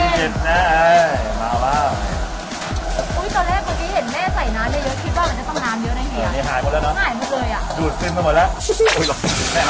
อ๋อแล้วน้ำไหม้นมันหอยแล้วก็น้ำให้เล่าแล้วจีนเเล่า